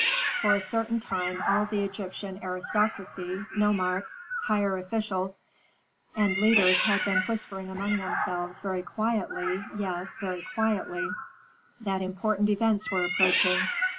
For a certain time all the Egyptian aristocracy, nomarchs, higher officials, and leaders had been whispering among themselves very quietly, yes, very quietly, that important events were approaching.